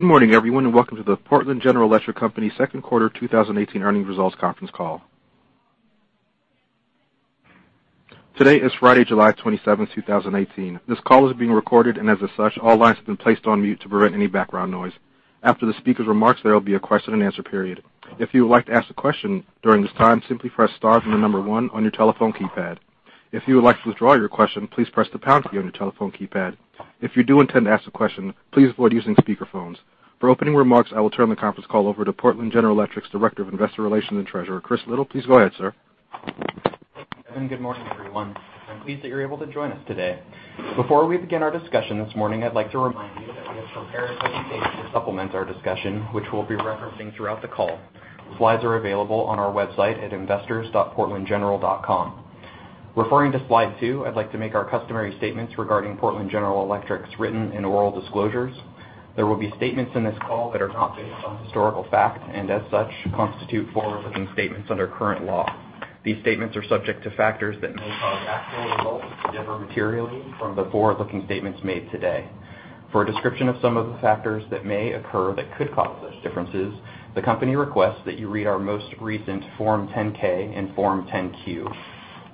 Good morning, everyone, and welcome to the Portland General Electric Company second quarter 2018 earnings results conference call. Today is Friday, July 27, 2018. This call is being recorded. As such, all lines have been placed on mute to prevent any background noise. After the speaker's remarks, there will be a question and answer period. If you would like to ask a question during this time, simply press star then the number 1 on your telephone keypad. If you would like to withdraw your question, please press the pound key on your telephone keypad. If you do intend to ask a question, please avoid using speakerphones. For opening remarks, I will turn the conference call over to Portland General Electric's Director of Investor Relations and Treasurer, Chris Liddle. Please go ahead, sir. Thank you, Evan. Good morning, everyone. I'm pleased that you're able to join us today. Before we begin our discussion this morning, I'd like to remind you that we have prepared a presentation to supplement our discussion, which we'll be referencing throughout the call. Slides are available on our website at investors.portlandgeneral.com. Referring to slide two, I'd like to make our customary statements regarding Portland General Electric's written and oral disclosures. There will be statements in this call that are not based on historical fact. As such, constitute forward-looking statements under current law. These statements are subject to factors that may cause actual results to differ materially from the forward-looking statements made today. For a description of some of the factors that may occur that could cause such differences, the company requests that you read our most recent Form 10-K and Form 10-Q.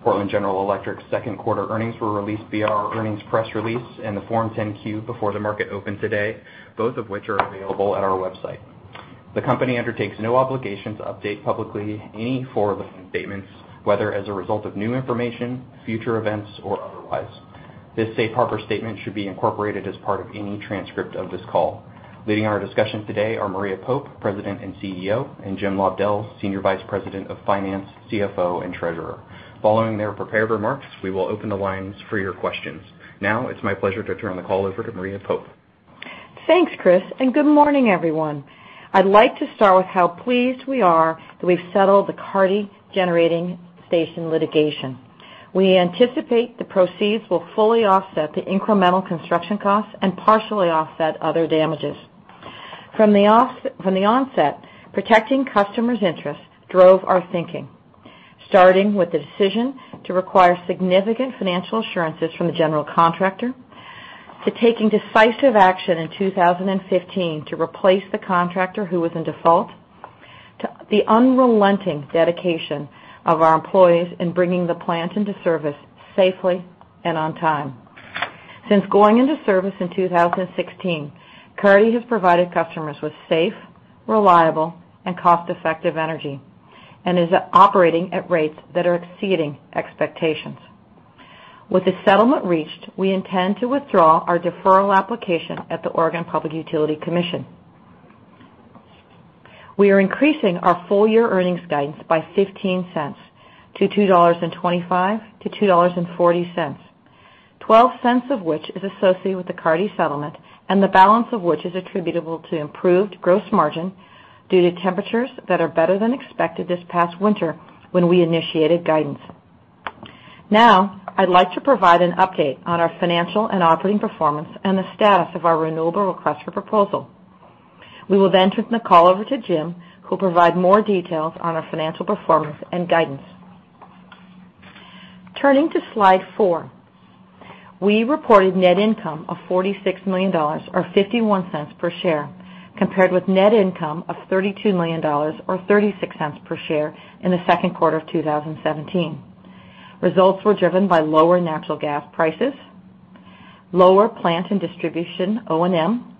Portland General Electric's second quarter earnings were released via our earnings press release in the Form 10-Q before the market opened today, both of which are available at our website. The company undertakes no obligation to update publicly any forward-looking statements, whether as a result of new information, future events, or otherwise. This safe harbor statement should be incorporated as part of any transcript of this call. Leading our discussion today are Maria Pope, President and CEO, and Jim Lobdell, Senior Vice President of Finance, CFO, and Treasurer. Following their prepared remarks, we will open the lines for your questions. It's my pleasure to turn the call over to Maria Pope. Thanks, Chris, and good morning, everyone. I'd like to start with how pleased we are that we've settled the Carty Generating Station litigation. We anticipate the proceeds will fully offset the incremental construction costs and partially offset other damages. From the onset, protecting customers' interests drove our thinking, starting with the decision to require significant financial assurances from the general contractor, to taking decisive action in 2015 to replace the contractor who was in default, to the unrelenting dedication of our employees in bringing the plant into service safely and on time. Since going into service in 2016, Carty has provided customers with safe, reliable, and cost-effective energy and is operating at rates that are exceeding expectations. With the settlement reached, we intend to withdraw our deferral application at the Oregon Public Utility Commission. We are increasing our full-year earnings guidance by $0.15 to $2.25-$2.40, $0.12 of which is associated with the Carty settlement, and the balance of which is attributable to improved gross margin due to temperatures that are better than expected this past winter when we initiated guidance. I'd like to provide an update on our financial and operating performance and the status of our renewable request for proposal. We will then turn the call over to Jim, who'll provide more details on our financial performance and guidance. Turning to slide four, we reported net income of $46 million, or $0.51 per share, compared with net income of $32 million, or $0.36 per share in the second quarter of 2017. Results were driven by lower natural gas prices, lower plant and distribution O&M,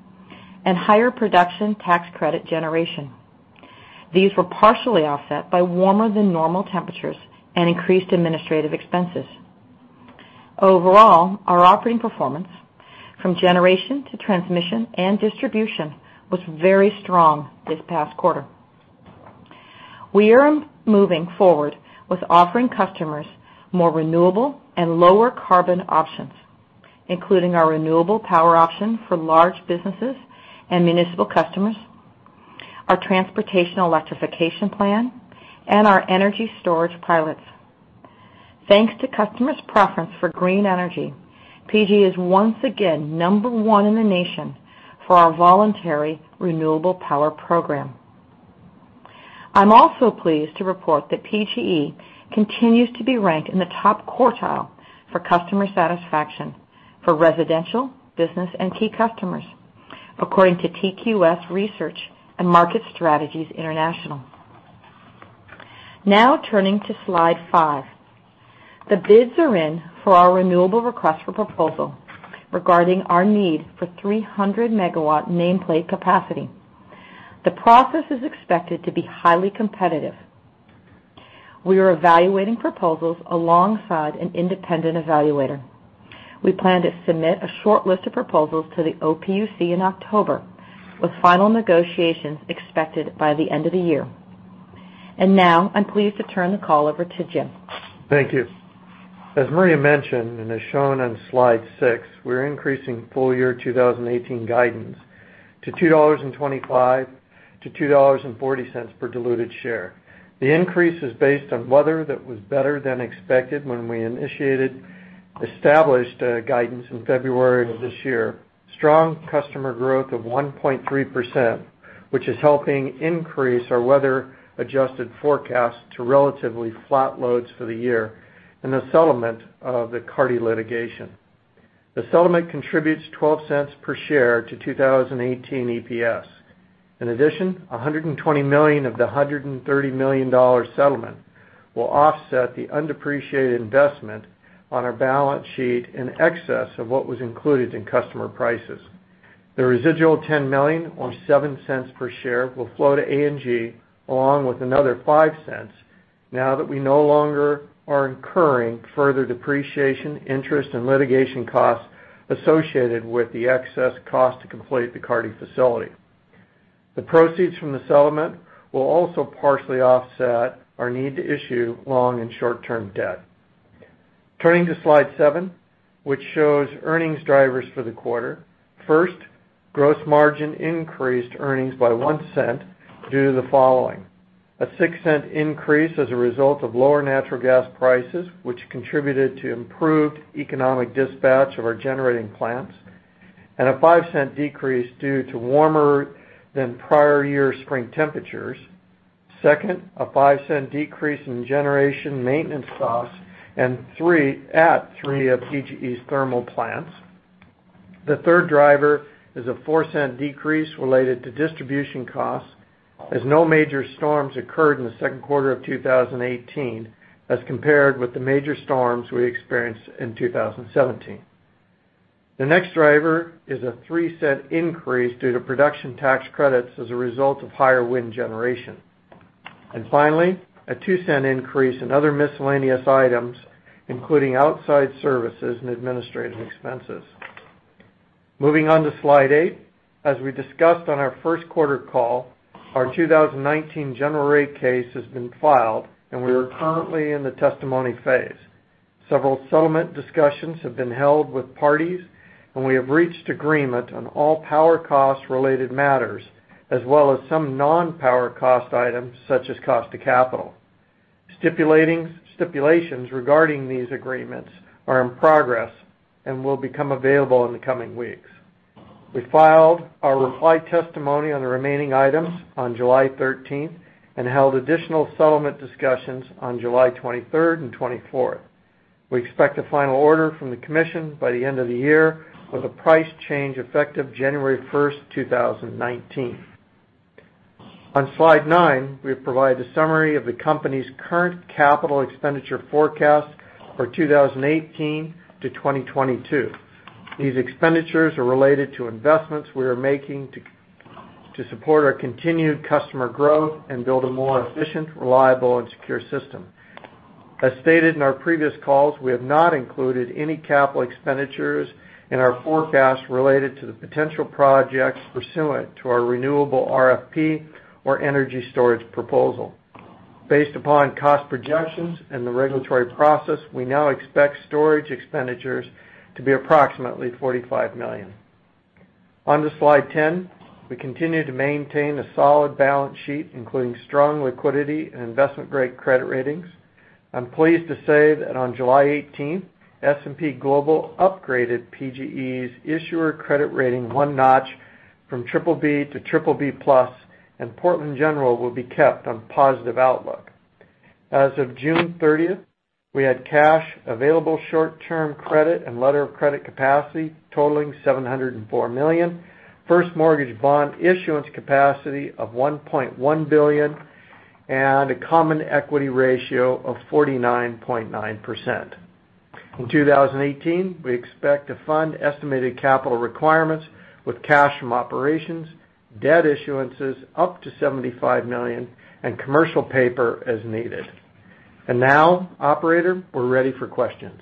and higher Production Tax Credit generation. These were partially offset by warmer than normal temperatures and increased administrative expenses. Overall, our operating performance from generation to transmission and distribution was very strong this past quarter. We are moving forward with offering customers more renewable and lower carbon options, including our renewable power option for large businesses and municipal customers, our transportation electrification plan, and our energy storage pilots. Thanks to customers' preference for green energy, PGE is once again number one in the nation for our voluntary renewable power program. I'm also pleased to report that PGE continues to be ranked in the top quartile for customer satisfaction for residential, business, and key customers, according to TQS Research and Market Strategies International. Turning to slide five, the bids are in for our renewable request for proposal regarding our need for 300-megawatt nameplate capacity. The process is expected to be highly competitive. We are evaluating proposals alongside an independent evaluator. We plan to submit a short list of proposals to the OPUC in October, with final negotiations expected by the end of the year. I'm pleased to turn the call over to Jim. Thank you. As Maria mentioned, as shown on slide six, we're increasing full-year 2018 guidance to $2.25-$2.40 per diluted share. The increase is based on weather that was better than expected when we initiated established guidance in February of this year. Strong customer growth of 1.3%, which is helping increase our weather-adjusted forecast to relatively flat loads for the year and the settlement of the Carty litigation. The settlement contributes $0.12 per share to 2018 EPS. In addition, $120 million of the $130 million settlement will offset the undepreciated investment on our balance sheet in excess of what was included in customer prices. The residual $10 million, or $0.07 per share, will flow to A&G, along with another $0.05 now that we no longer are incurring further depreciation, interest, and litigation costs associated with the excess cost to complete the Carty facility. The proceeds from the settlement will also partially offset our need to issue long and short-term debt. Turning to slide seven, which shows earnings drivers for the quarter. First, gross margin increased earnings by $0.01 due to the following: a $0.06 increase as a result of lower natural gas prices, which contributed to improved economic dispatch of our generating plants, and a $0.05 decrease due to warmer than prior year spring temperatures. Second, a $0.05 decrease in generation maintenance costs at three of PGE's thermal plants. The third driver is a $0.04 decrease related to distribution costs, as no major storms occurred in the second quarter of 2018 as compared with the major storms we experienced in 2017. The next driver is a $0.03 increase due to Production Tax Credits as a result of higher wind generation. Finally, a $0.02 increase in other miscellaneous items, including outside services and administrative expenses. Moving on to slide eight. As we discussed on our first quarter call, our 2019 general rate case has been filed, and we are currently in the testimony phase. Several settlement discussions have been held with parties, and we have reached agreement on all power cost-related matters, as well as some non-power cost items such as cost to capital. Stipulations regarding these agreements are in progress and will become available in the coming weeks. We filed our reply testimony on the remaining items on July 13th and held additional settlement discussions on July 23rd and 24th. We expect a final order from the commission by the end of the year with a price change effective January 1st, 2019. On slide nine, we provide a summary of the company's current capital expenditure forecast for 2018 to 2022. These expenditures are related to investments we are making to support our continued customer growth and build a more efficient, reliable, and secure system. As stated in our previous calls, we have not included any capital expenditures in our forecast related to the potential projects pursuant to our renewable RFP or energy storage proposal. Based upon cost projections and the regulatory process, we now expect storage expenditures to be approximately $45 million. On to slide 10. We continue to maintain a solid balance sheet, including strong liquidity and investment-grade credit ratings. I'm pleased to say that on July 18th, S&P Global upgraded PGE's issuer credit rating one notch from BBB to BBB+, and Portland General will be kept on positive outlook. As of June 30th, we had cash available short-term credit and letter of credit capacity totaling $704 million, first mortgage bond issuance capacity of $1.1 billion, and a common equity ratio of 49.9%. In 2018, we expect to fund estimated capital requirements with cash from operations, debt issuances up to $75 million, and commercial paper as needed. Now, operator, we're ready for questions.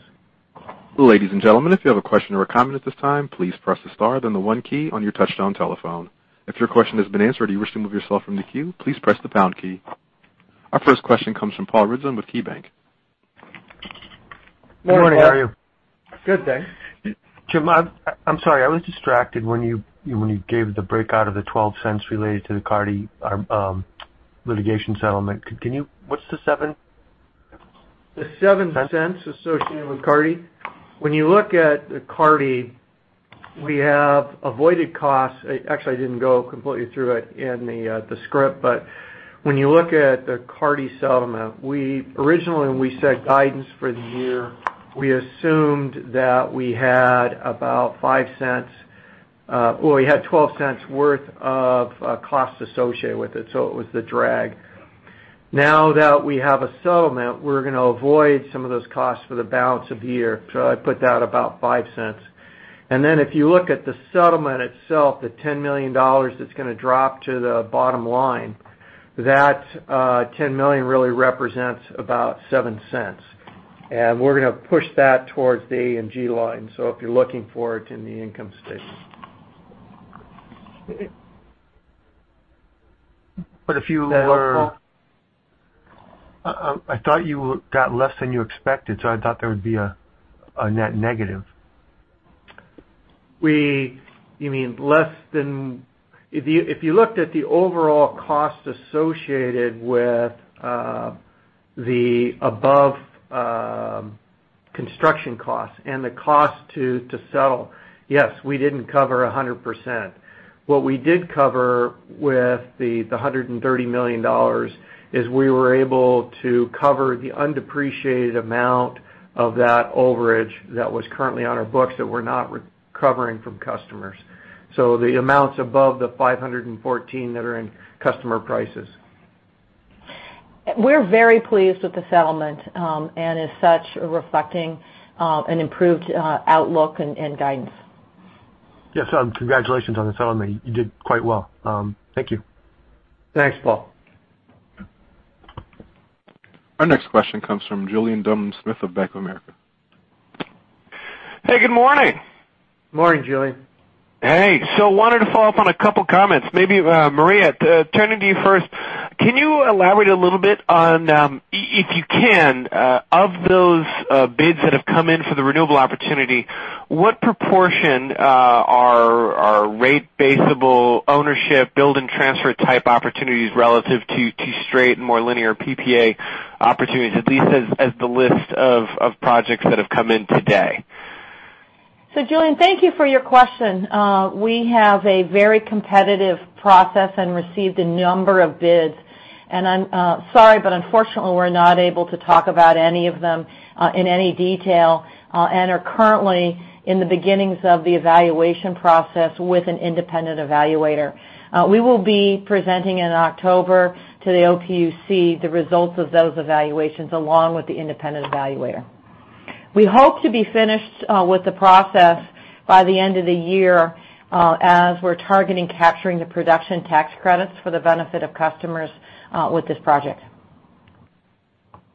Ladies and gentlemen, if you have a question or a comment at this time, please press the star then the one key on your touchtone telephone. If your question has been answered or you wish to remove yourself from the queue, please press the pound key. Our first question comes from Paul Ridzon with KeyBank. Morning, how are you? Good, thanks. Jim, I'm sorry, I was distracted when you gave the breakout of the $0.12 related to the Carty litigation settlement. What's the $0.07? The $0.07 associated with Carty? When you look at Carty, we have avoided costs. Actually, I didn't go completely through it in the script. When you look at the Carty settlement, originally, when we set guidance for the year, we assumed that we had about $0.05, well, we had $0.12 worth of costs associated with it. It was the drag. Now that we have a settlement, we're going to avoid some of those costs for the balance of the year. I put that about $0.05. Then if you look at the settlement itself, the $10 million that's going to drop to the bottom line. That $10 million really represents about $0.07. We're going to push that towards the A&G line. If you're looking for it in the income statement. If you were Is that helpful? I thought you got less than you expected, I thought there would be a net negative. You mean less than If you looked at the overall cost associated with the above construction costs and the cost to settle. Yes, we didn't cover 100%. What we did cover with the $130 million is we were able to cover the undepreciated amount of that overage that was currently on our books that we're not recovering from customers. The amounts above the $514 that are in customer prices. We're very pleased with the settlement, and as such, reflecting an improved outlook and guidance. Yes. Congratulations on the settlement. You did quite well. Thank you. Thanks, Paul. Our next question comes from Julien Dumoulin-Smith of Bank of America. Hey, good morning. Morning, Julien. Hey. Wanted to follow up on a couple comments. Maybe Maria, turning to you first, can you elaborate a little bit on, if you can, of those bids that have come in for the renewable opportunity, what proportion are rate basable, ownership, build and transfer type opportunities relative to straight and more linear PPA opportunities, at least as the list of projects that have come in today? Julien, thank you for your question. We have a very competitive process and received a number of bids. I'm sorry, but unfortunately, we're not able to talk about any of them in any detail, and are currently in the beginnings of the evaluation process with an independent evaluator. We will be presenting in October to the OPUC the results of those evaluations, along with the independent evaluator. We hope to be finished with the process by the end of the year, as we're targeting capturing the production tax credits for the benefit of customers with this project.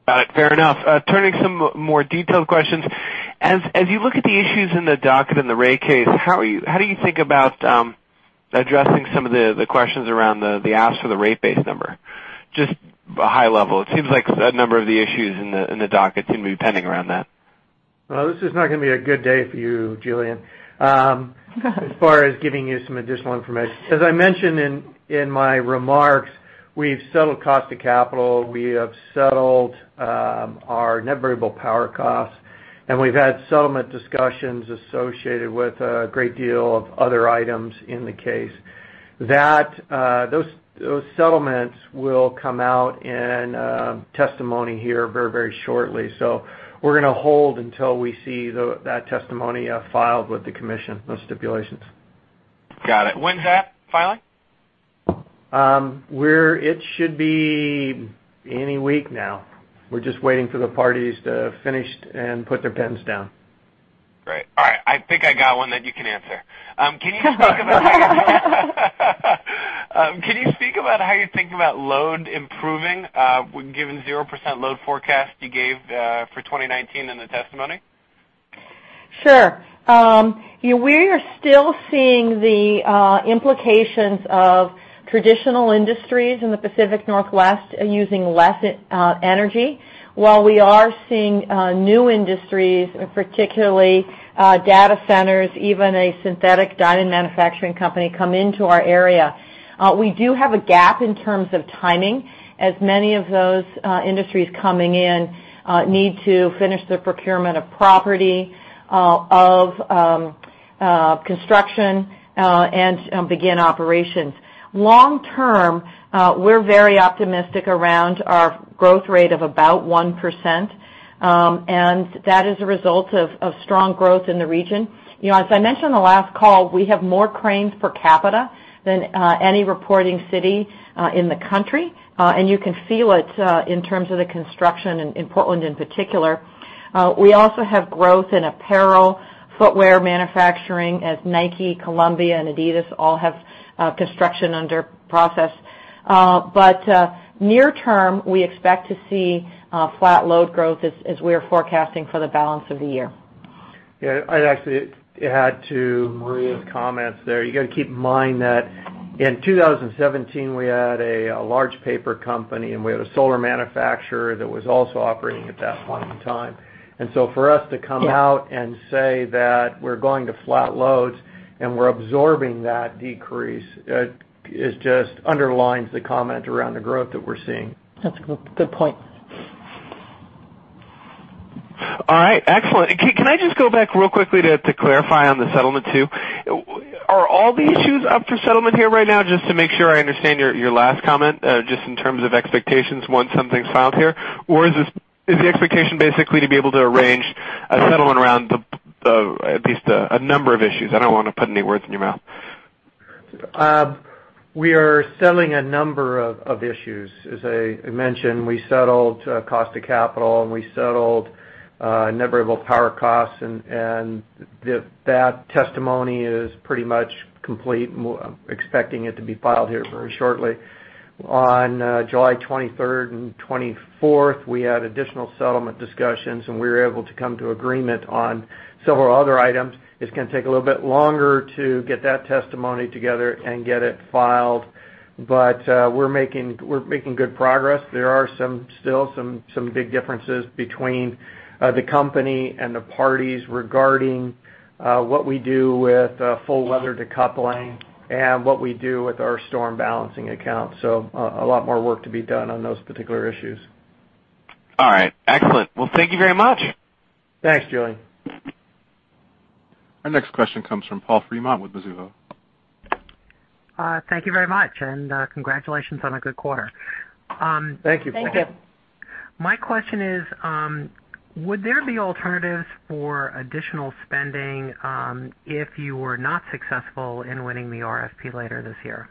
Got it. Fair enough. Turning some more detailed questions. As you look at the issues in the docket in the rate case, how do you think about addressing some of the questions around the asks for the rate base number? Just high level. It seems like a number of the issues in the docket seem to be pending around that. Well, this is not going to be a good day for you, Julien, as far as giving you some additional information. As I mentioned in my remarks, we've settled cost of capital, we have settled our net variable power costs, and we've had settlement discussions associated with a great deal of other items in the case. Those settlements will come out in testimony here very shortly. We're going to hold until we see that testimony filed with the commission, those stipulations. Got it. When's that filing? It should be any week now. We're just waiting for the parties to finish and put their pens down. Great. All right. I think I got one that you can answer. Can you speak about how you think about load improving, given 0% load forecast you gave for 2019 in the testimony? Sure. We are still seeing the implications of traditional industries in the Pacific Northwest using less energy. While we are seeing new industries, particularly data centers, even a synthetic diamond manufacturing company, come into our area. We do have a gap in terms of timing, as many of those industries coming in need to finish their procurement of property, of construction, and begin operations. Long term, we're very optimistic around our growth rate of about 1%, and that is a result of strong growth in the region. As I mentioned the last call, you can feel it in terms of the construction in Portland in particular. We also have growth in apparel, footwear manufacturing, as Nike, Columbia, and Adidas all have construction under process. Near term, we expect to see flat load growth as we're forecasting for the balance of the year. Yeah. I'd actually add to Maria's comments there. You've got to keep in mind that in 2017, we had a large paper company, and we had a solar manufacturer that was also operating at that point in time. For us to come out and say that we're going to flat loads and we're absorbing that decrease, it just underlines the comment around the growth that we're seeing. That's a good point. All right. Excellent. Can I just go back real quickly to clarify on the settlement too? Are all the issues up for settlement here right now, just to make sure I understand your last comment, just in terms of expectations once something's filed here? Or is the expectation basically to be able to arrange a settlement around at least a number of issues? I don't want to put any words in your mouth. We are settling a number of issues. As I mentioned, we settled cost of capital, and we settled net variable power costs, and that testimony is pretty much complete. Expecting it to be filed here very shortly. On July 23rd and 24th, we had additional settlement discussions, and we were able to come to agreement on several other items. It's going to take a little bit longer to get that testimony together and get it filed, but we're making good progress. There are still some big differences between the company and the parties regarding what we do with full weather decoupling and what we do with our storm balancing account. A lot more work to be done on those particular issues. All right. Excellent. Well, thank you very much. Thanks, Julien. Our next question comes from Paul Fremont with Mizuho. Thank you very much, and congratulations on a good quarter. Thank you. Thank you. My question is, would there be alternatives for additional spending, if you were not successful in winning the RFP later this year?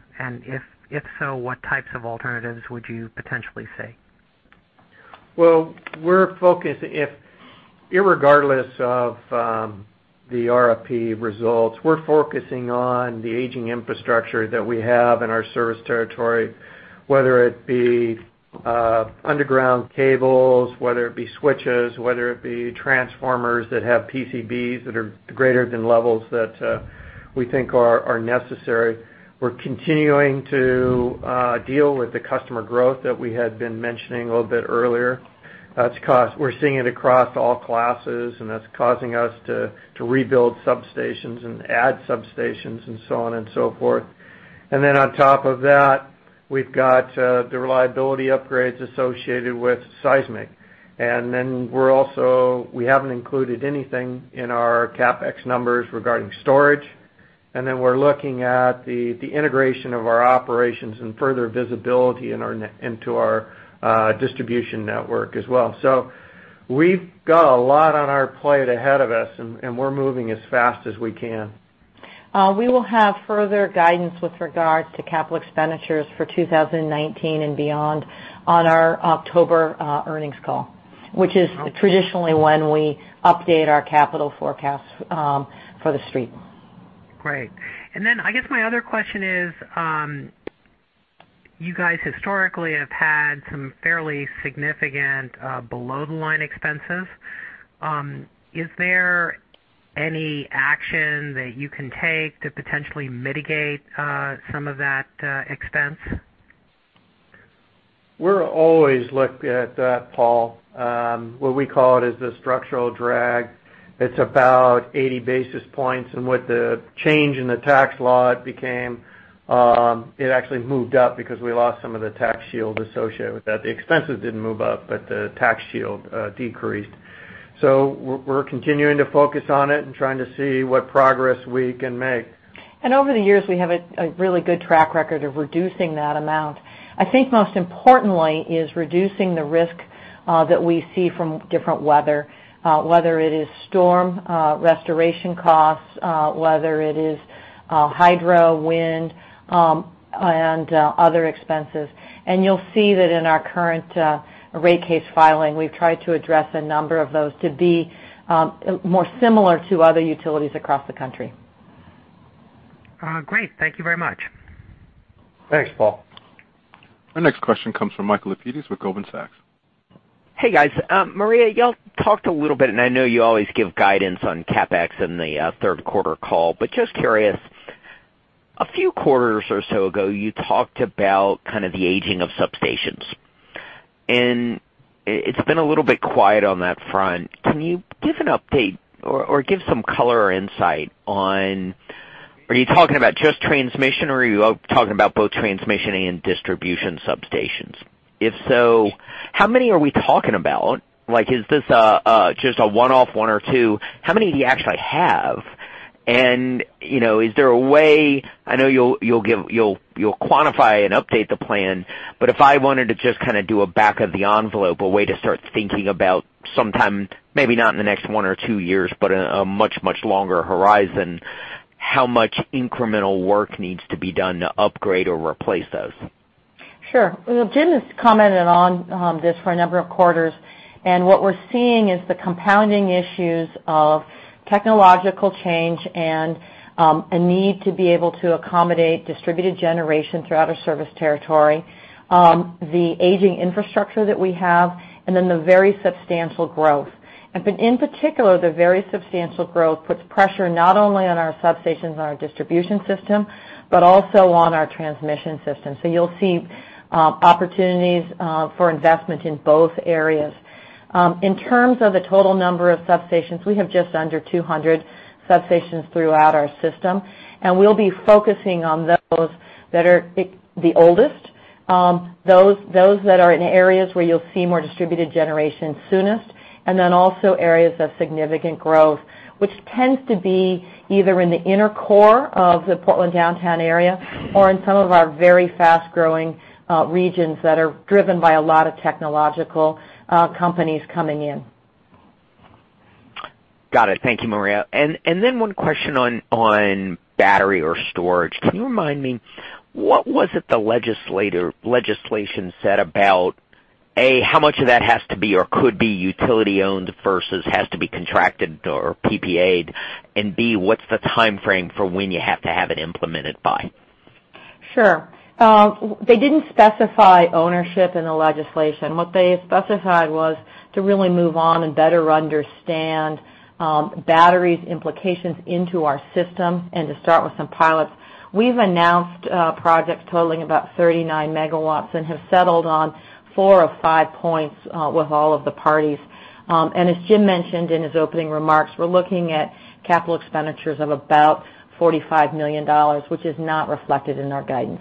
If so, what types of alternatives would you potentially see? Well, regardless of the RFP results, we're focusing on the aging infrastructure that we have in our service territory, whether it be underground cables, whether it be switches, whether it be transformers that have PCBs that are greater than levels that we think are necessary. We're continuing to deal with the customer growth that we had been mentioning a little bit earlier. We're seeing it across all classes, that's causing us to rebuild substations and add substations and so on and so forth. On top of that, we've got the reliability upgrades associated with seismic. We haven't included anything in our CapEx numbers regarding storage. We're looking at the integration of our operations and further visibility into our distribution network as well. We've got a lot on our plate ahead of us, and we're moving as fast as we can. We will have further guidance with regards to capital expenditures for 2019 and beyond on our October earnings call, which is traditionally when we update our capital forecast for the street. Great. I guess my other question is, you guys historically have had some fairly significant below-the-line expenses. Is there any action that you can take to potentially mitigate some of that expense? We're always looked at that, Paul. What we call it is the structural drag. It's about 80 basis points, with the change in the tax law, it actually moved up because we lost some of the tax shield associated with that. The expenses didn't move up, the tax shield decreased. We're continuing to focus on it and trying to see what progress we can make. Over the years, we have a really good track record of reducing that amount. I think most importantly is reducing the risk that we see from different weather, whether it is storm restoration costs, whether it is hydro, wind, and other expenses. You'll see that in our current rate case filing, we've tried to address a number of those to be more similar to other utilities across the country. Great. Thank you very much. Thanks, Paul. Our next question comes from Michael Lapides with Goldman Sachs. Hey, guys. Maria, y'all talked a little bit, and I know you always give guidance on CapEx in the third quarter call, but just curious. A few quarters or so ago, you talked about the aging of substations, and it's been a little bit quiet on that front. Can you give an update or give some color or insight on, are you talking about just transmission, or are you talking about both transmission and distribution substations? If so, how many are we talking about? Is this just a one-off one or two? How many do you actually have? Is there a way, I know you'll quantify and update the plan, but if I wanted to just do a back of the envelope, a way to start thinking about sometime, maybe not in the next one or two years, but a much, much longer horizon, how much incremental work needs to be done to upgrade or replace those? Sure. Well, Jim has commented on this for a number of quarters. What we're seeing is the compounding issues of technological change and a need to be able to accommodate distributed generation throughout our service territory, the aging infrastructure that we have, and then the very substantial growth. In particular, the very substantial growth puts pressure not only on our substations and our distribution system, but also on our transmission system. You'll see opportunities for investment in both areas. In terms of the total number of substations, we have just under 200 substations throughout our system, and we'll be focusing on those that are the oldest, those that are in areas where you'll see more distributed generation soonest, and then also areas of significant growth. Which tends to be either in the inner core of the Portland downtown area or in some of our very fast-growing regions that are driven by a lot of technological companies coming in. Got it. Thank you, Maria. Then one question on battery or storage. Can you remind me, what was it the legislation said about, A, how much of that has to be or could be utility-owned versus has to be contracted or PPA'd, and B, what's the timeframe for when you have to have it implemented by? Sure. They didn't specify ownership in the legislation. What they specified was to really move on and better understand batteries' implications into our system and to start with some pilots. We've announced projects totaling about 39 megawatts and have settled on four of five points with all of the parties. As Jim mentioned in his opening remarks, we're looking at capital expenditures of about $45 million, which is not reflected in our guidance.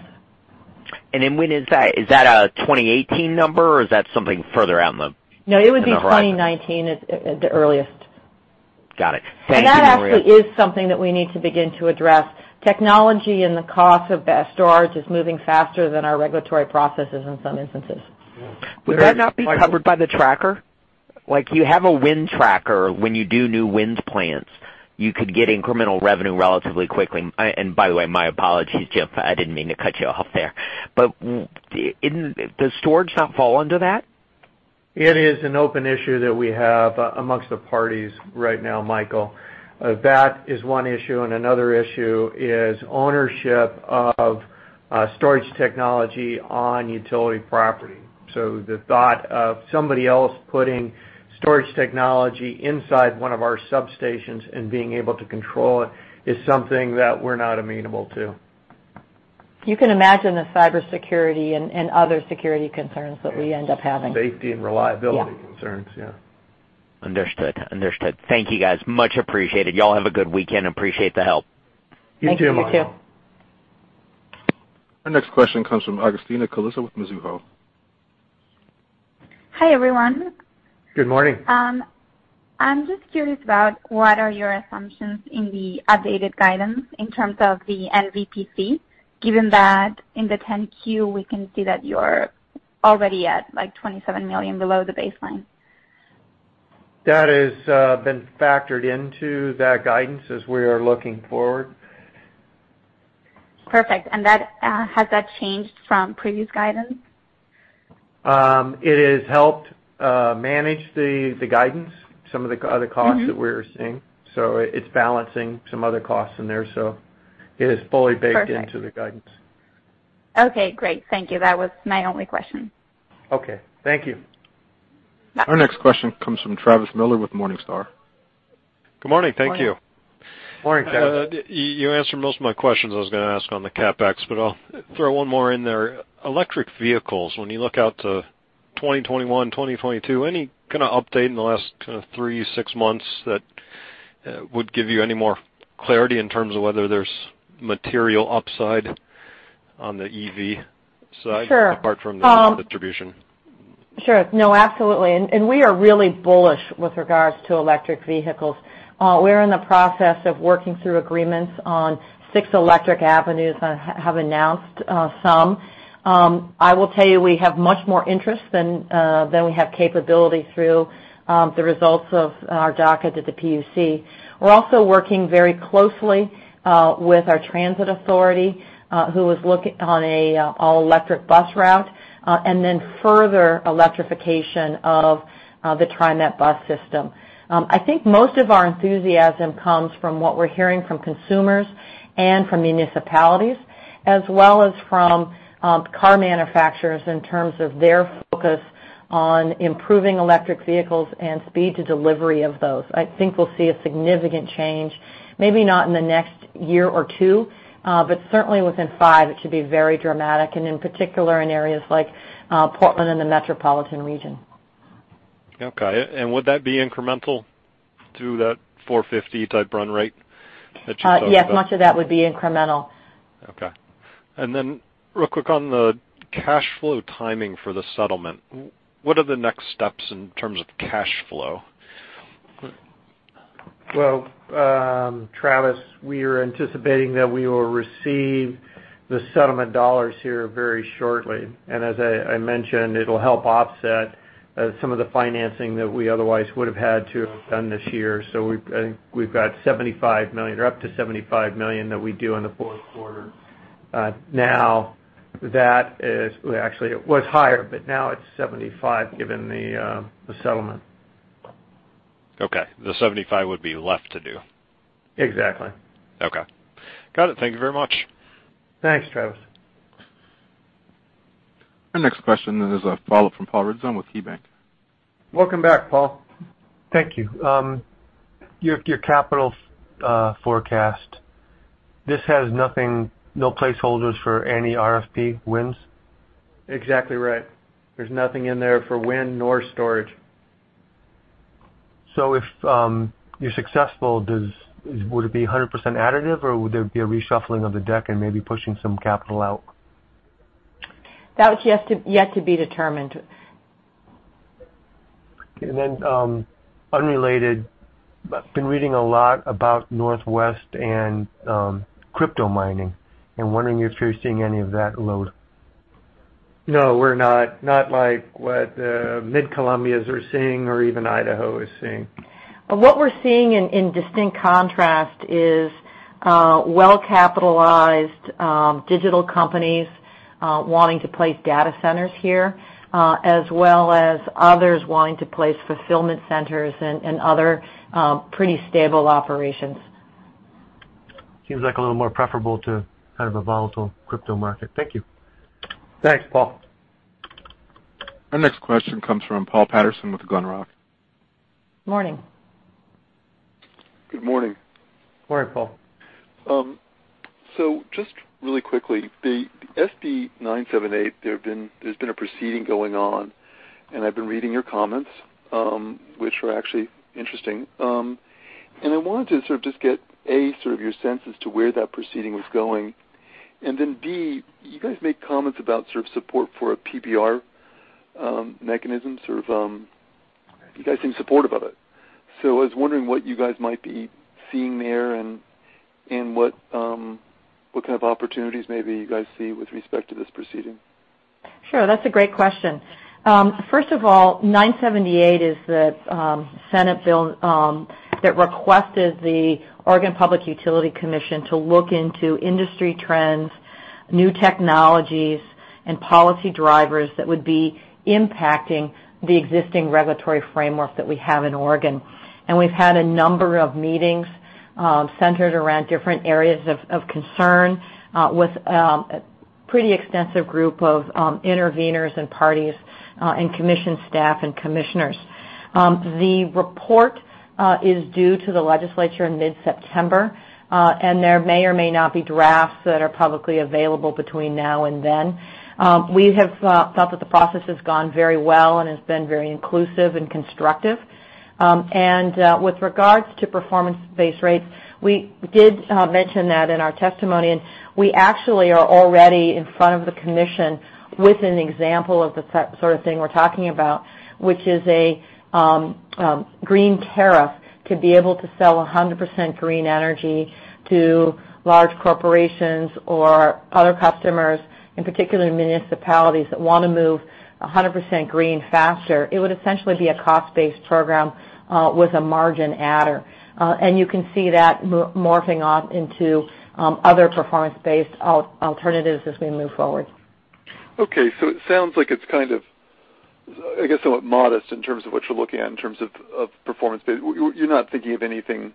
When is that? Is that a 2018 number or is that something further out in the- No, it would be- in the horizon 2019 at the earliest. Got it. Thank you. That actually is something that we need to begin to address. Technology and the cost of storage is moving faster than our regulatory processes in some instances. Would that not be covered by the tracker? Like you have a wind tracker when you do new wind plans, you could get incremental revenue relatively quickly. By the way, my apologies, Jim, I didn't mean to cut you off there. Does storage not fall under that? It is an open issue that we have amongst the parties right now, Michael. That is one issue, and another issue is ownership of storage technology on utility property. The thought of somebody else putting storage technology inside one of our substations and being able to control it is something that we're not amenable to. You can imagine the cybersecurity and other security concerns that we end up having. Safety and reliability. Yeah concerns, yeah. Understood. Thank you guys. Much appreciated. Y'all have a good weekend. Appreciate the help. You too, Michael. Thank you. You too. Our next question comes from Agustina Calisa with Mizuho. Hi, everyone. Good morning. I'm just curious about what are your assumptions in the updated guidance in terms of the NVPC, given that in the 10-Q, we can see that you're already at like $27 million below the baseline. That has been factored into that guidance as we are looking forward. Perfect. Has that changed from previous guidance? It has helped manage the guidance, some of the other costs- that we're seeing. It's balancing some other costs in there, so it is fully baked- Perfect into the guidance. Okay, great. Thank you. That was my only question. Okay. Thank you. No problem. Our next question comes from Travis Miller with Morningstar. Good morning. Thank you. Morning. Morning, Travis Miller. You answered most of my questions I was going to ask on the CapEx, I'll throw one more in there. Electric vehicles, when you look out to 2021, 2022, any kind of update in the last three, six months that would give you any more clarity in terms of whether there's material upside on the EV side- Sure apart from the distribution? Sure. No, absolutely. We are really bullish with regards to electric vehicles. We're in the process of working through agreements on six Electric Avenue and have announced some. I will tell you, we have much more interest than we have capability through the results of our docket at the PUC. We're also working very closely with our transit authority, who is looking on an all-electric bus route, and then further electrification of the TriMet bus system. I think most of our enthusiasm comes from what we're hearing from consumers and from municipalities, as well as from car manufacturers in terms of their focus on improving electric vehicles and speed to delivery of those. I think we'll see a significant change, maybe not in the next year or two, but certainly within five, it should be very dramatic, and in particular in areas like Portland and the metropolitan region. Okay. Would that be incremental to that 450 type run rate that you talked about? Yes, much of that would be incremental. Okay. Real quick on the cash flow timing for the settlement. What are the next steps in terms of cash flow? Well, Travis, we are anticipating that we will receive the settlement dollars here very shortly. As I mentioned, it'll help offset some of the financing that we otherwise would have had to have done this year. We've got $75 million, or up to $75 million, that we'd do in the fourth quarter. Actually, it was higher, but now it's $75 given the settlement. Okay. The 75 would be left to do. Exactly. Okay. Got it. Thank you very much. Thanks, Travis. Our next question is a follow-up from Paul Ridzon with KeyBank. Welcome back, Paul. Thank you. Your capital forecast, this has no placeholders for any RFP wins? Exactly right. There's nothing in there for wind nor storage. If you're successful, would it be 100% additive, or would there be a reshuffling of the deck and maybe pushing some capital out? That's yet to be determined. Okay, unrelated. Been reading a lot about Northwest and crypto mining and wondering if you're seeing any of that load. No, we're not. Not like what Mid-Columbias are seeing or even Idaho is seeing. What we're seeing in distinct contrast is well-capitalized digital companies wanting to place data centers here, as well as others wanting to place fulfillment centers and other pretty stable operations. Seems like a little more preferable to kind of a volatile crypto market. Thank you. Thanks, Paul. Our next question comes from Paul Patterson with Glenrock. Morning. Good morning. Morning, Paul. Just really quickly, the SB 978, there's been a proceeding going on, and I've been reading your comments, which were actually interesting. I wanted to just get, A, your sense as to where that proceeding was going. B, you guys make comments about support for a PBR mechanism. You guys seem supportive of it. I was wondering what you guys might be seeing there and what kind of opportunities maybe you guys see with respect to this proceeding. Sure. That's a great question. First of all, 978 is the Senate bill that requested the Oregon Public Utility Commission to look into industry trends, new technologies, and policy drivers that would be impacting the existing regulatory framework that we have in Oregon. We've had a number of meetings centered around different areas of concern, with a pretty extensive group of interveners and parties, and commission staff and commissioners. The report is due to the legislature in mid-September, and there may or may not be drafts that are publicly available between now and then. We have felt that the process has gone very well and has been very inclusive and constructive. With regards to performance-based rates, we did mention that in our testimony, and we actually are already in front of the commission with an example of the sort of thing we're talking about, which is a green tariff to be able to sell 100% green energy to large corporations or other customers, in particular municipalities, that want to move 100% green faster. It would essentially be a cost-based program with a margin adder. You can see that morphing off into other performance-based alternatives as we move forward. Okay. It sounds like it's kind of, I guess somewhat modest in terms of what you're looking at in terms of performance base. You're not thinking of anything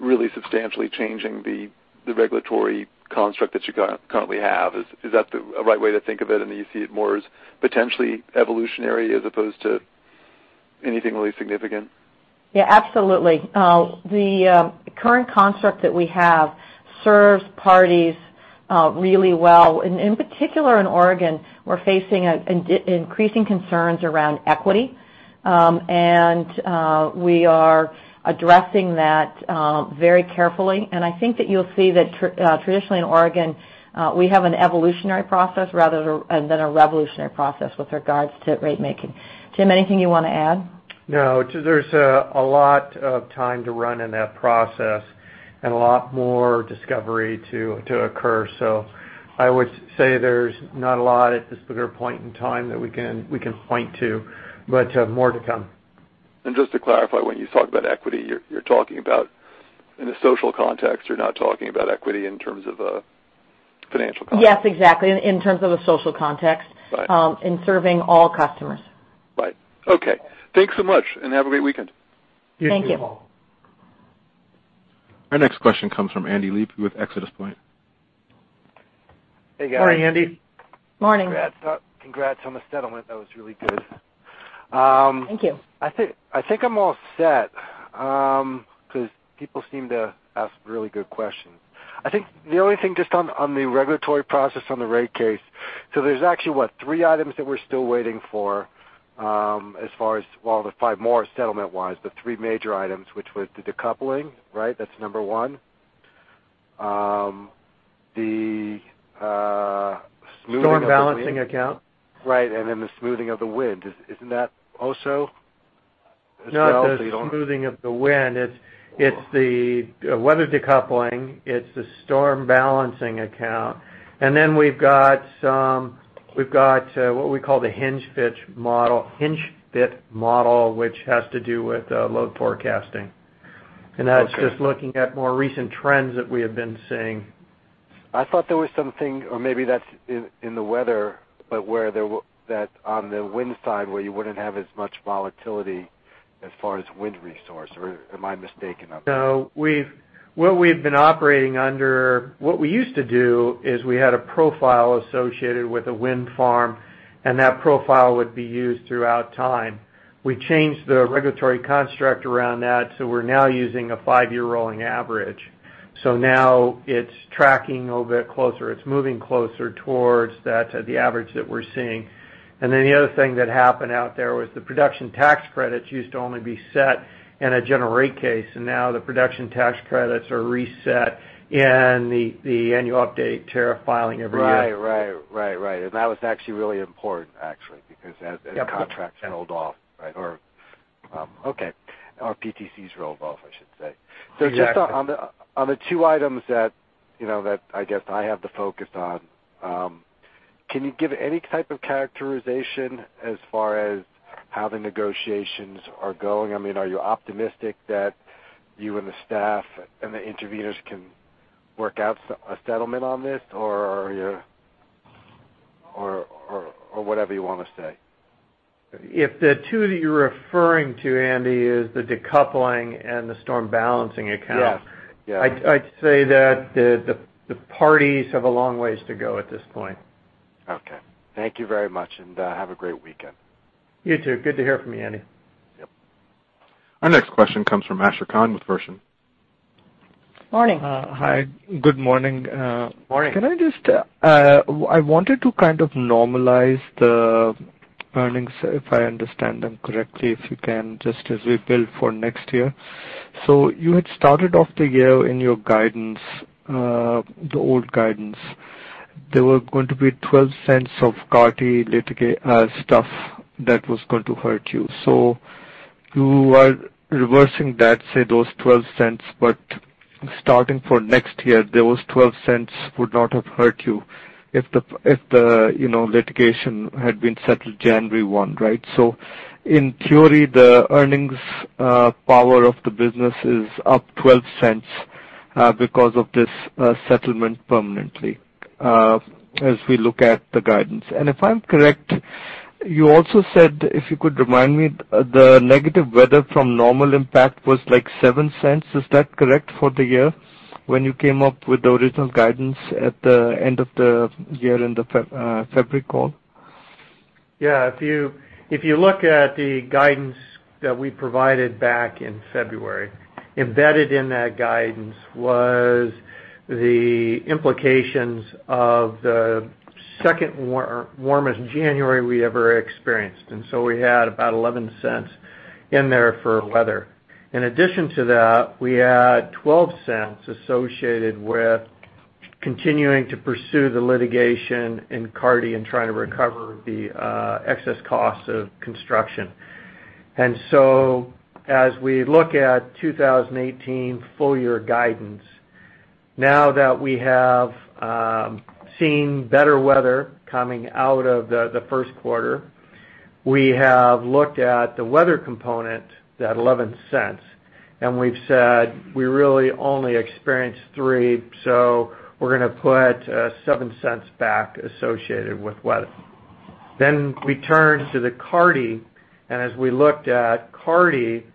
really substantially changing the regulatory construct that you currently have. Is that the right way to think of it? You see it more as potentially evolutionary as opposed to anything really significant? Yeah, absolutely. The current construct that we have serves parties really well. In particular in Oregon, we're facing increasing concerns around equity. We are addressing that very carefully. I think that you'll see that traditionally in Oregon, we have an evolutionary process rather than a revolutionary process with regards to ratemaking. Jim, anything you want to add? No. There's a lot of time to run in that process and a lot more discovery to occur. I would say there's not a lot at this particular point in time that we can point to, but more to come. Just to clarify, when you talk about equity, you're talking about in a social context, you're not talking about equity in terms of a financial context? Yes, exactly. In terms of a social context. Right. In serving all customers. Right. Okay. Thanks so much, and have a great weekend. Thank you. You as well. Our next question comes from Andy Levi with ExodusPoint. Hey, guys. Morning, Andy. Morning. Congrats on the settlement. That was really good. Thank you. I think I'm all set, because people seem to ask really good questions. I think the only thing just on the regulatory process on the rate case, there's actually, what, three items that we're still waiting for, as far as while the five more settlement-wise, the three major items, which was the decoupling, right? That's number one. The smoothing- Storm balancing account. Right. The smoothing of the wind, isn't that also as well? No, the smoothing of the wind. It's the weather decoupling, it's the storm balancing account. We've got what we call the Hinge Fit model, which has to do with load forecasting. Okay. That's just looking at more recent trends that we have been seeing. I thought there was something, or maybe that's in the weather, but where on the wind side where you wouldn't have as much volatility as far as wind resource. Or am I mistaken on that? No. What we've been operating under, what we used to do is we had a profile associated with a wind farm, and that profile would be used throughout time. We changed the regulatory construct around that, so we're now using a 5-year rolling average. Now it's tracking a little bit closer. It's moving closer towards that, the average that we're seeing. The other thing that happened out there was the Production Tax Credits used to only be set in a general rate case, and now the Production Tax Credits are reset in the annual update tariff filing every year. Right. That was actually really important, actually, because as the contracts rolled off, right? Or PTCs rolled off, I should say. Exactly. Just on the two items that I guess I have the focus on, can you give any type of characterization as far as how the negotiations are going? Are you optimistic that you and the staff and the interveners can work out a settlement on this? Or whatever you want to say. If the two that you're referring to, Andy, is the decoupling and the storm balancing account. Yes I'd say that the parties have a long ways to go at this point. Okay. Thank you very much, and have a great weekend. You too. Good to hear from you, Andy. Yep. Our next question comes from Ashar Khan with Verition. Morning. Hi, good morning. Morning. I wanted to normalize the earnings, if I understand them correctly, if you can, just as we build for next year. You had started off the year in your guidance, the old guidance. There were going to be $0.12 of Carty litigation stuff that was going to hurt you. You are reversing that, say, those $0.12, but starting for next year, those $0.12 would not have hurt you if the litigation had been settled January 1, right? In theory, the earnings power of the business is up $0.12 because of this settlement permanently, as we look at the guidance. If I'm correct, you also said, if you could remind me, the negative weather from normal impact was like $0.07. Is that correct for the year? When you came up with the original guidance at the end of the year in the February call. Yeah. If you look at the guidance that we provided back in February, embedded in that guidance was the implications of the second warmest January we ever experienced. We had about $0.11 in there for weather. In addition to that, we had $0.12 associated with continuing to pursue the litigation in Carty and trying to recover the excess cost of construction. As we look at 2018 full-year guidance, now that we have seen better weather coming out of the first quarter, we have looked at the weather component, that $0.11, and we've said we really only experienced three, we're going to put $0.07 back associated with weather. We turn to the Carty, as we looked at Carty,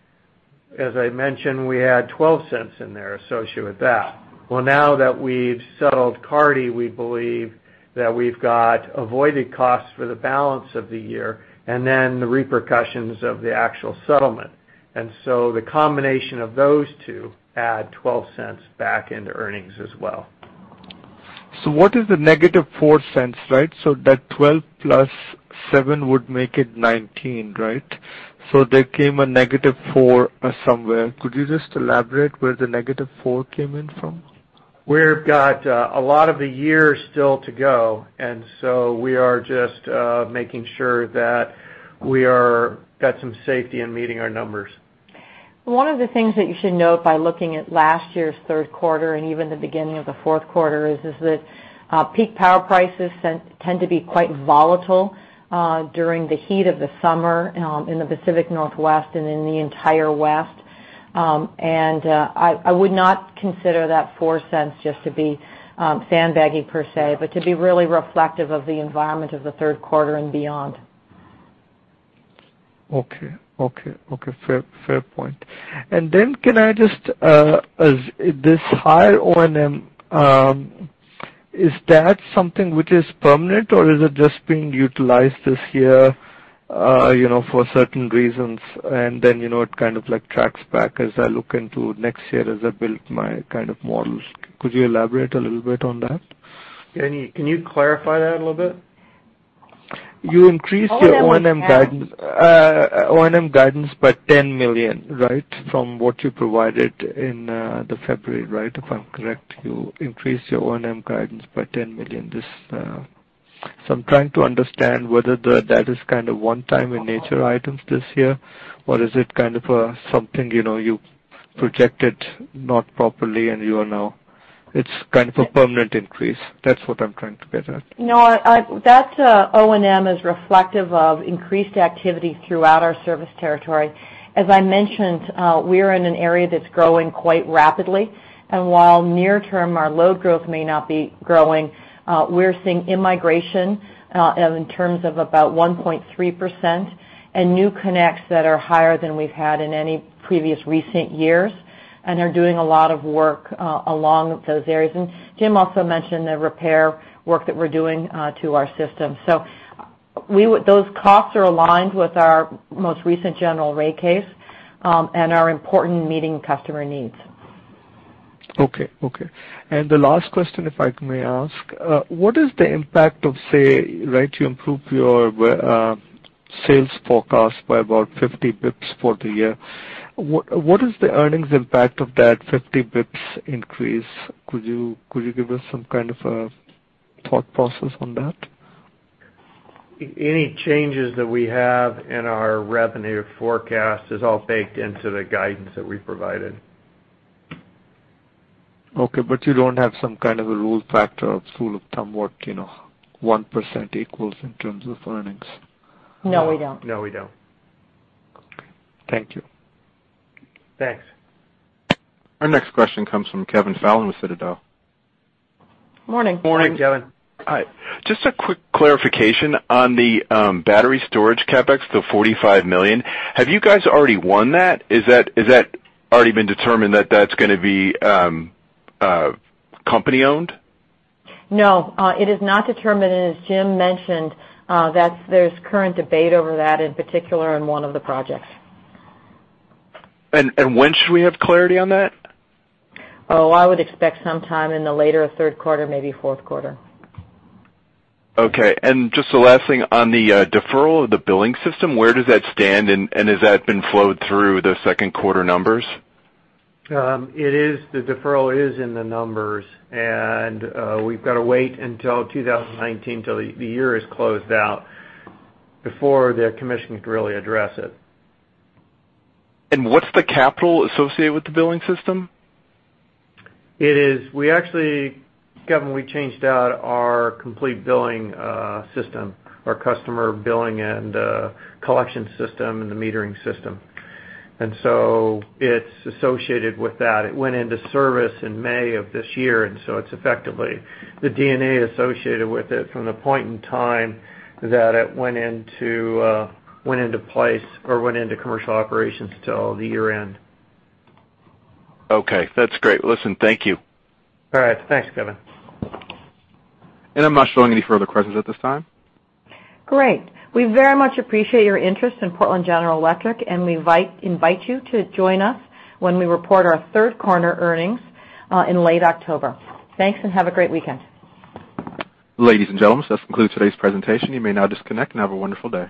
as I mentioned, we had $0.12 in there associated with that. Now that we've settled Carty, we believe that we've got avoided costs for the balance of the year, then the repercussions of the actual settlement. The combination of those two add $0.12 back into earnings as well. What is the negative $0.04, right? That 12 plus 7 would make it 19, right? There came a negative 4 somewhere. Could you just elaborate where the negative 4 came in from? We've got a lot of the year still to go, we are just making sure that we are at some safety in meeting our numbers. One of the things that you should note by looking at last year's third quarter and even the beginning of the fourth quarter is that peak power prices tend to be quite volatile during the heat of the summer in the Pacific Northwest and in the entire West. I would not consider that $0.04 just to be sandbaggy per se, but to be really reflective of the environment of the third quarter and beyond. Okay. Fair point. Can I just, this higher O&M, is that something which is permanent or is it just being utilized this year for certain reasons? It kind of like tracks back as I look into next year as I build my kind of models. Could you elaborate a little bit on that? Can you clarify that a little bit? You increased your- O&M O&M guidance by $10 million, right? From what you provided in the February, right, if I'm correct, you increased your O&M guidance by $10 million. I'm trying to understand whether that is kind of one-time in nature items this year, or is it kind of something you projected not properly and it's kind of a permanent increase. That's what I'm trying to get at. That O&M is reflective of increased activity throughout our service territory. As I mentioned, we're in an area that's growing quite rapidly, and while near-term our load growth may not be growing, we're seeing immigration in terms of about 1.3% and new connects that are higher than we've had in any previous recent years and are doing a lot of work along those areas. Jim also mentioned the repair work that we're doing to our system. Those costs are aligned with our most recent general rate case, and are important in meeting customer needs. Okay. The last question, if I may ask, what is the impact of, say, right, you improve your sales forecast by about 50 basis points for the year. What is the earnings impact of that 50 basis points increase? Could you give us some kind of a thought process on that? Any changes that we have in our revenue forecast is all baked into the guidance that we provided. Okay, you don't have some kind of a rule factor of rule of thumb work, 1% equals in terms of earnings? No, we don't. No, we don't. Okay. Thank you. Thanks. Our next question comes from Kevin Fallon with Citadel. Morning. Morning, Kevin. Hi. Just a quick clarification on the battery storage CapEx, the $45 million. Have you guys already won that? Is that already been determined that that's going to be company-owned? No. It is not determined. As Jim mentioned, there's current debate over that, in particular on one of the projects. When should we have clarity on that? Oh, I would expect sometime in the later third quarter, maybe fourth quarter. Okay. Just the last thing. On the deferral of the billing system, where does that stand, and has that been flowed through the second quarter numbers? The deferral is in the numbers. We've got to wait until 2019 till the year is closed out before the commission can really address it. What's the capital associated with the billing system? Kevin, we changed out our complete billing system, our customer billing and collection system and the metering system. So it's associated with that. It went into service in May of this year, so it's effectively the D&A associated with it from the point in time that it went into place or went into commercial operations till the year-end. Okay. That's great. Listen, thank you. All right. Thanks, Kevin. I'm not showing any further questions at this time. Great. We very much appreciate your interest in Portland General Electric, and we invite you to join us when we report our third quarter earnings in late October. Thanks, and have a great weekend. Ladies and gentlemen, this concludes today's presentation. You may now disconnect and have a wonderful day.